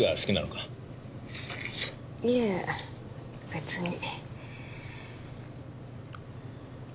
いえ別に。